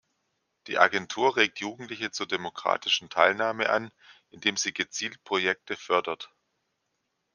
Die Agentur regt Jugendliche zur demokratischen Teilnahme an, indem sie gezielt Projekte fördert.